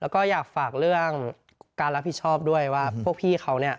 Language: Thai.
แล้วก็อยากฝากเรื่องการรับผิดชอบด้วยว่าพวกพี่เขาเนี่ย